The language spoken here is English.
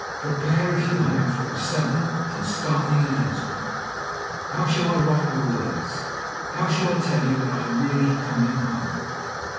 Prepare, if you have, for a sudden and a startling announcement. How shall I write the words? How shall I tell you that I am really coming home?